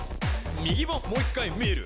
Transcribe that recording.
「右ももう１回見る！